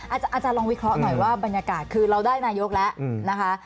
อาจารย์ลองวิเคราะห์หน่อยว่าบรรยากาศคือเราได้นายกแล้วนะคะ